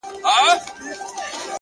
• پوره اته دانې سمعان ويلي كړل،